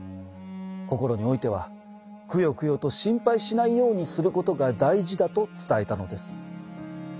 心においてはくよくよと心配しないようにすることが大事だと伝えたのです。